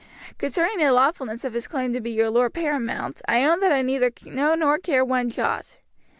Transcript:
Concerning the lawfulness of his claim to be your lord paramount, I own that I neither know nor care one jot.